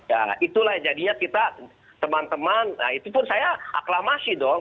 ya itulah yang jadinya kita teman teman nah itu pun saya aklamasi dong